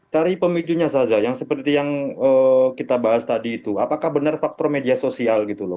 dari pemicunya saza yang seperti yang kita bahas tadi itu apakah benar faktor media sosial gitu loh